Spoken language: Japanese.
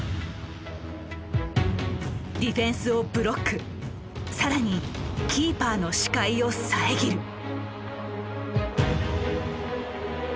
ディフェンスをブロック更にキーパーの視界を遮る。